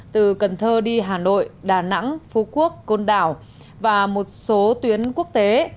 từ cần thơ đi hà nội đà nẵng phú quốc côn đảo và một số tuyến quốc tế